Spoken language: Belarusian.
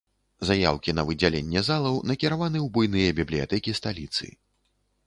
Заяўкі на выдзяленне залаў накіраваны ў буйныя бібліятэкі сталіцы.